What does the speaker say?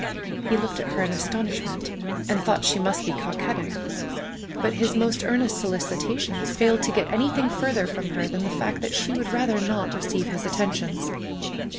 He looked at her in astonishment, and thought she must be coquetting; but his most earnest solicitations failed to get anything further from her than the fact that she would rather not receive his attentions.